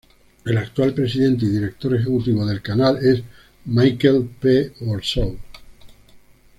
El actual presidente y director ejecutivo del canal es Michael P. Warsaw.